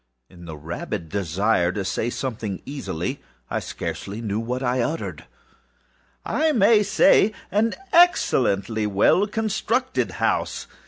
â (In the rabid desire to say something easily, I scarcely knew what I uttered at all.)ââI may say an excellently well constructed house.